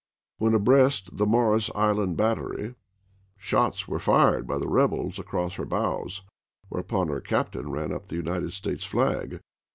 When abreast the Morris Island bat tery, shots were fired by the rebels across her bows, whereupon her captain ran up the United THE SUMTER EXPEDITION 25 States flag.